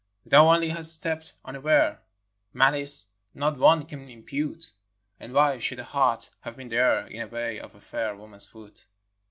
Thou only hast stepped unaware, — Malice, not one can impute; And why should a heart have been there In the way of a fair woman's foot?